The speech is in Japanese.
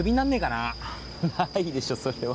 ないでしょそれは。